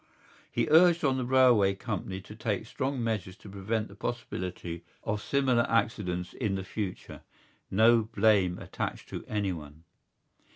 He urged on the railway company to take strong measures to prevent the possibility of similar accidents in the future. No blame attached to anyone.